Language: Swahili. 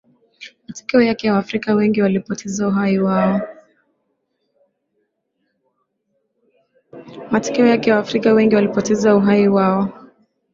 matokeo yake Waafrika wengi walipoteza uhai wao